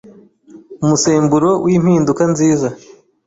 umusemburo w’impinduka nziza